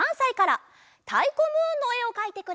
「たいこムーン」のえをかいてくれました。